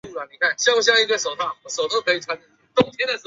十点半以前不足七人